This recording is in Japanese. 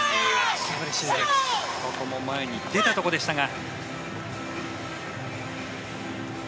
ここも前に出たところでしたが。